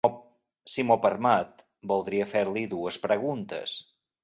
Si m'ho permet, voldria fer-li dues preguntes.